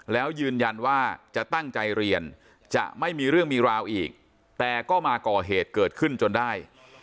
แล้วยืนยันว่าจะตั้งใจเรียนจะไม่มีเรื่องมีราวอีกแต่ก็มาก่อเหตุเกิดขึ้นจนได้